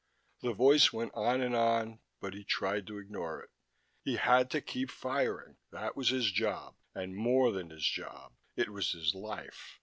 The voice went on and on, but he tried to ignore it. He had to keep firing: that was his job, and more than his job. It was his life.